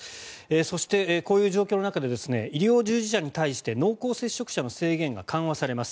そしてこの状況の中で医療従事者に対して濃厚接触者の制限が緩和されます。